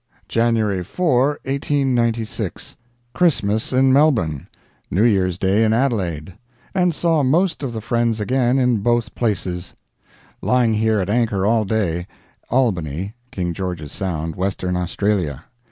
January 4, 1896. Christmas in Melbourne, New Year's Day in Adelaide, and saw most of the friends again in both places .... Lying here at anchor all day Albany (King George's Sound), Western Australia.